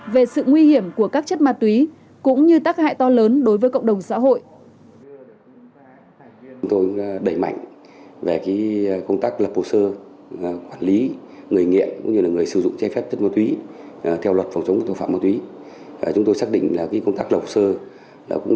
về sự nguy hiểm của cơ quan ban ngành và khu dân cư